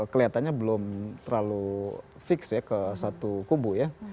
kelihatannya belum terlalu fix ya ke satu kubu ya